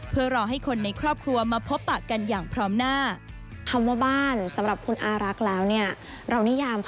เพื่อรอให้คนในครอบครัวมาพบปะกันอย่างพร้อมหน้า